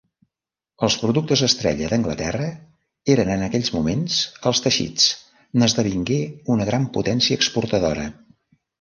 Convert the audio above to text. Els productes estrella d'Anglaterra eren en aquells moments els teixits, n'esdevingué una gran potència exportadora.